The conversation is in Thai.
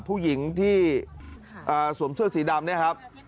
ผู้หญิงที่สวมเสื้อสีดำเนี่ยครับ